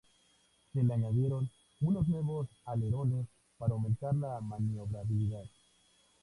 Se le añadieron unos nuevos alerones para aumentar la maniobrabilidad.